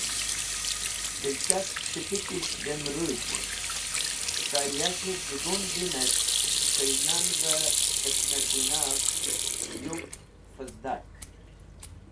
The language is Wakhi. Dilchasp s̃hitikisht dem rũj skẽ yashev jugundin et k̃hiynan’v-e skẽ mirdina’vev yupk fẽzdak.